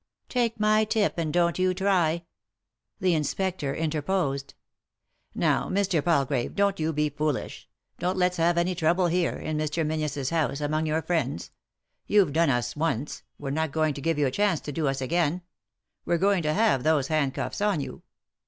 "Take my tip, and don't you try." The inspector interposed. " Now, Mr. Palgrave, don't you be foolish. Don't let's have any trouble here, in Mr. Menzies' house, among your friends. You've done us once ; we're not going to give you a chance to do us again— we're going to have those handcuffs on you.